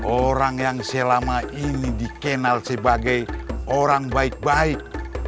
orang yang selama ini dikenal sebagai orang baik baik